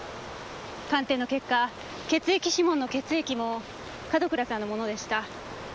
鑑定の結果血液指紋の血液も門倉さんのものでした。